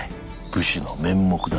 武士の面目だ。